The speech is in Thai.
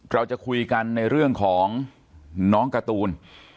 เราจะคุยกันในเรื่องของน้องการ์ตูน